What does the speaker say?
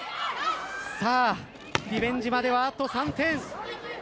リベンジまではあと３点。